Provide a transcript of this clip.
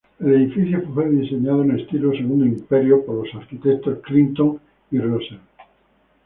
El edificio fue diseñado en estilo Segundo Imperio por los arquitectos Clinton and Russell.